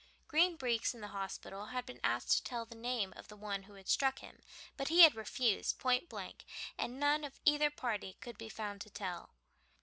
Green Breeks in the hospital had been asked to tell the name of the one who had struck him, but had refused pointblank, and none of either party could be found to tell.